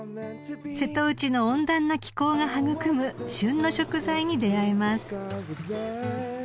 ［瀬戸内の温暖な気候が育む旬の食材に出合えます］